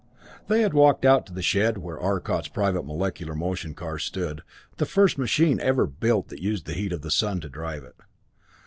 They had walked out to the shed where Arcot's private molecular motion car stood, the first machine ever built that used the heat of the sun to drive it.